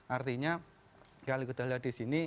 artinya kali kita lihat di sini